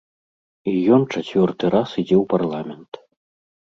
І ён чацвёрты раз ідзе ў парламент!